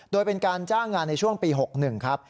โดยเป็นการจ้างงานในช่วงปี๖๑ครับ